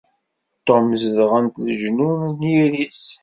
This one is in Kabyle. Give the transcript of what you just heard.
Tom zedɣen-t leǧnun n yizri-s.